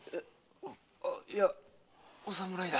あいやお侍だ。